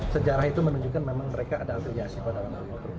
sejarah itu menunjukkan memang mereka ada afiliasi pada orang itu